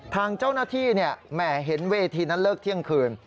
ทางเจ้าหน้าที่แหมเห็นเวทีนั้นเลิกเที่ยงคืน